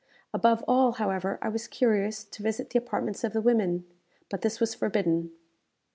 Above all, however, I was curious to visit the apartments of the women; but this was forbidden.